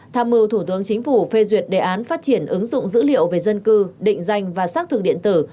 tham mưu thủ tướng chính phủ phê duyệt đề án phát triển ứng dụng dữ liệu về dân cư định danh và xác thực điện tử